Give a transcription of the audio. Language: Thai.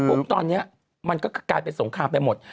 แต่ปุ๊บตอนนี้มันก็กลายเป็นสงครามไปหมด